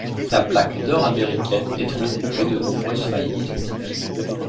La plaque nord-américaine est entrecoupée de nombreuses failles identiques.